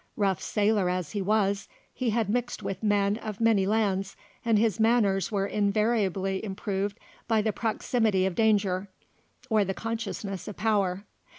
Rough sailor as he was, he had mixed with men of many lands, and his manners were invariably improved by the proximity of danger or the consciousness of power.